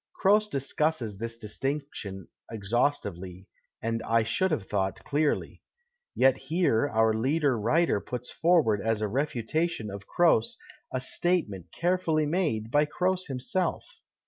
Croce discusses this distinction exhaustively, and, I should have thought, clearly. Yet here our leader writer puts forward as a refutation of Croce a state ment carefully made by Croce himself.